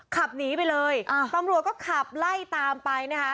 ขับหนีไปเลยตำรวจก็ขับไล่ตามไปนะคะ